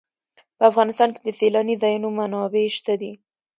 په افغانستان کې د سیلاني ځایونو منابع شته دي.